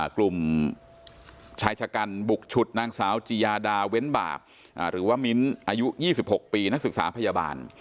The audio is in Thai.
กลุ่มชายชะกันบุกฉุดนางสาวจียาดาเว้นบาปหรือว่ามิ้นอายุ๒๖ปีนักศึกษาพยาบาล